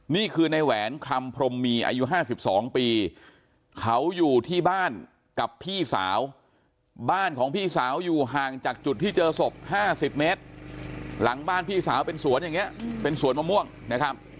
นี่คือในแหวนคำพรมมีอายุ๕๒ปีเขาอยู่ที่บ้านกับพี่สาวบ้านของพี่สาวอยู่ห่างจากจุดที่เจอศพ๕๐เมตรหลังบ้านพี่สาวเป็นสวนอย่างนี้เป็นสวนมะม่วงนะครับ